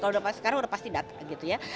kalau sekarang udah pasti data gitu ya